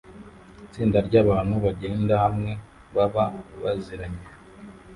Itsinda ryabantu bagenda hamwe baba baziranye